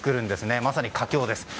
まさに佳境です。